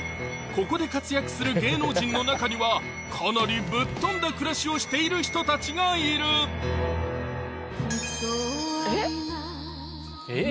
ここで活躍する芸能人の中にはかなりぶっ飛んだ暮らしをしている人たちがいるえっ？え⁉